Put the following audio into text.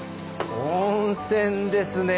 温泉ですね。